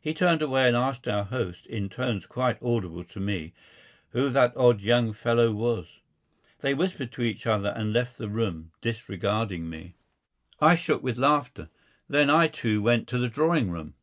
He turned away and asked our host, in tones quite audible to me, who that odd young fellow was. They whispered to each other and left the room, disregarding me. I shook with laughter. Then I, too, went to the drawing room.